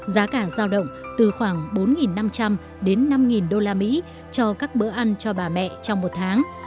giá cả giao động từ khoảng bốn năm trăm linh đến năm usd cho các bữa ăn cho bà mẹ trong một tháng